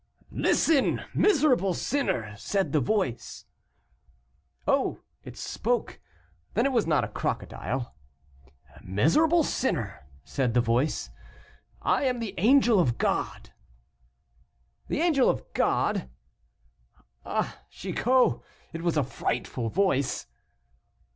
"'Listen! miserable sinner,' said the voice " "Oh! it spoke; then it was not a crocodile." "'Miserable sinner,' said the voice, 'I am the angel of God.'" "The angel of God!" "Ah! Chicot, it was a frightful voice."